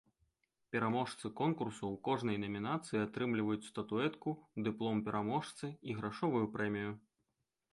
Пераможцы конкурсу ў кожнай намінацыі атрымліваюць статуэтку, дыплом пераможцы і грашовую прэмію.